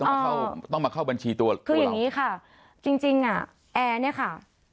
มาเข้าต้องมาเข้าบัญชีตัวคืออย่างงี้ค่ะจริงจริงอ่ะแอร์เนี่ยค่ะ